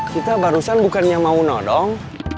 kita barusan bukannya mau nodong